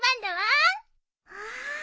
わあ。